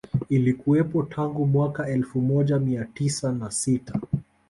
Ilikuwepo tangu mwaka elfu moja mia tisa na sita